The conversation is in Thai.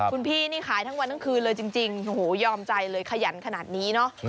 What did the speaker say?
คุณพี่นี่ขายทั้งวันทั้งคืนเลยจริงโอ้โหยอมใจเลยขยันขนาดนี้เนาะ